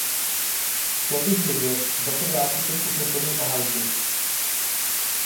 Chtěl bych vědět, zda se vrátíte k usnesení o Haiti.